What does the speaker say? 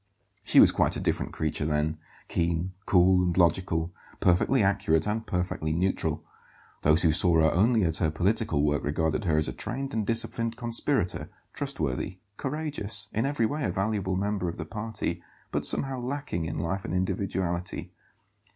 She was quite a different creature then; keen, cool, and logical, perfectly accurate and perfectly neutral. Those who saw her only at her political work regarded her as a trained and disciplined conspirator, trustworthy, courageous, in every way a valuable member of the party, but somehow lacking in life and individuality.